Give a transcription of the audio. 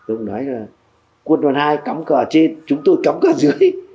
ông nói là quân đoàn hai cấm cờ trên chúng tôi cấm cờ dưới